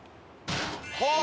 はあ。